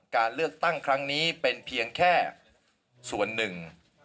การเลือกตั้งครั้งนี้เป็นเพียงแค่ส่วนหนึ่ง